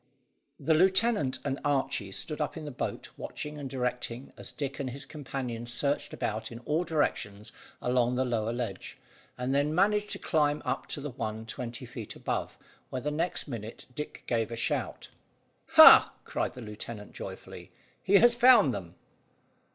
The lieutenant and Archy stood up in the boat watching and directing as Dick and his companion searched about in all directions along the lower ledge, and then managed to climb up to the one twenty feet above, where the next minute Dick gave a shout. "Hah!" cried the lieutenant joyfully. "He has found them."